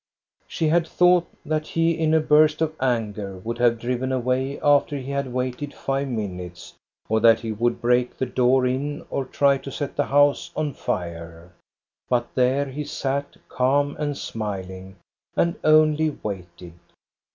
She had thought that he in a burst of anger would have driven away after he had waited five minutes, or that he would break the door in or try to set the house on fire. But there he sat calm and smiling, and only waited.